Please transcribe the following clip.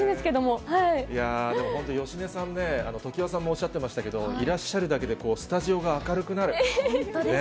でも本当、芳根さんね、常盤さんもおっしゃっていましたけれども、いらっしゃるだけでこ本当ですね。